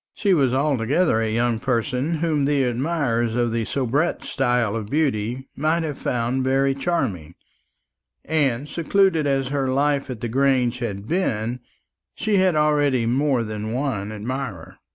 She was altogether a young person whom the admirers of the soubrette style of beauty might have found very charming; and, secluded as her life at the Grange had been, she had already more than one admirer.